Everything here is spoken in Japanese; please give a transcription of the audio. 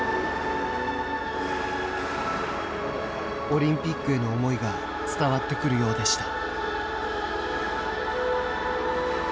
オリンピックへの思いが伝わってくるようでした。